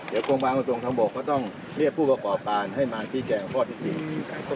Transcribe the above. เดี๋ยวคงมาตรงตรงทั้งหมดเขาต้องเรียกผู้ประปอบปารให้มาพี่แก่ข้อถึง